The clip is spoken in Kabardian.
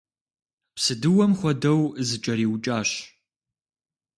Псыдыуэм хуэдэу зыкӏэриукӏащ.